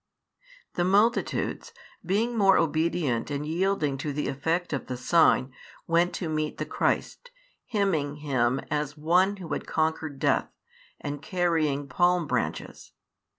The multitudes, being more obedient and yielding to the effect of the sign, went to meet the Christ, hymning Him as One Who had conquered death, and carrying palm branches.